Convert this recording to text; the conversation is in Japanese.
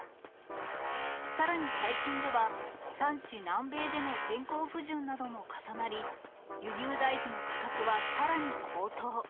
さらに最近では、産地南米での天候不順なども重なり、輸入大豆の価格はさらに高騰。